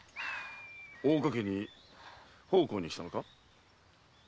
大岡家に奉公にきたのか？